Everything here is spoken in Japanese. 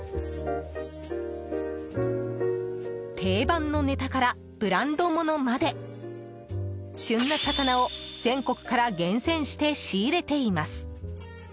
定番のネタからブランドものまで旬な魚を全国から厳選して仕入れています。